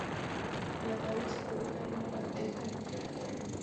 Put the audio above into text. El ataúd se coloca en una bandeja en el crematorio.